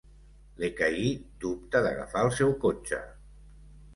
L'Ekahi dubta d'agafar el seu cotxe.